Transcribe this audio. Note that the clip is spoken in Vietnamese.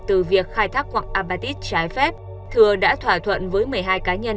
từ việc khai thác quặng apartheid trái phép thừa đã thỏa thuận với một mươi hai cá nhân